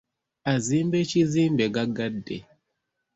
Azimba ekizimbe gaggadde.